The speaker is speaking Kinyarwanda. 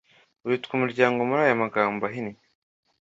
witwa umuryango muri aya magambo ahinnye